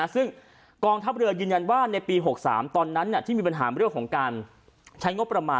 ซึ่งกองทัพเรือยืนยันว่าในปี๖๓ตอนนั้นที่มีปัญหาเรื่องของการใช้งบประมาณ